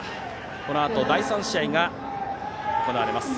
このあと第３試合です。